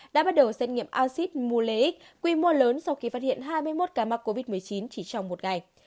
đã bắt đầu xét nghiệm acid muleic quy mô lớn sau khi phát hiện hai mươi một ca mắc covid một mươi chín chỉ trong một ngày